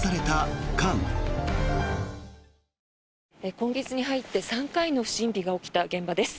今月に入って３回の不審火が起きた現場です。